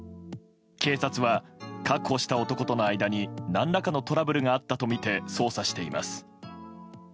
警察は確保した男との間に何らかのトラブルがあったとみて捜査しています。